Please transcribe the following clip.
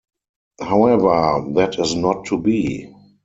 However, that is not to be.